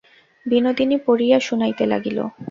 বিনোদিনী পড়িয়া শুনাইতে লাগিল।